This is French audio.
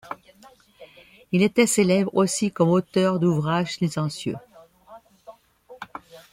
Il était célèbre aussi comme auteur d'ouvrages licencieux.